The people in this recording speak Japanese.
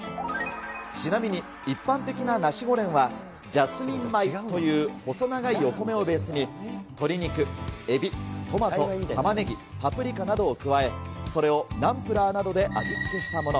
ちなみに、一般的なナシゴレンは、ジャスミン米という細長いお米をベースに、鶏肉、エビ、トマト、タマネギ、パプリカなどを加え、それをナンプラーなどで味付けしたもの。